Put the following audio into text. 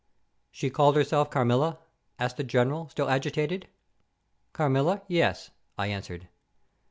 "She called herself Carmilla?" asked the General, still agitated. "Carmilla, yes," I answered.